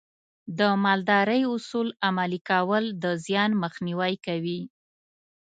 د مالدارۍ اصول عملي کول د زیان مخنیوی کوي.